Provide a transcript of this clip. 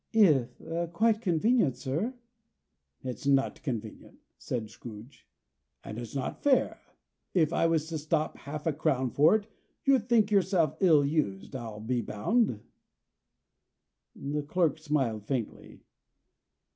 "If quite convenient, sir." "It's not convenient," said Scrooge, "and it's not fair. If I was to stop half a crown for it, you'd think yourself ill used, I'll be bound?" The clerk smiled faintly.